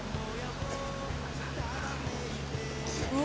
うわ！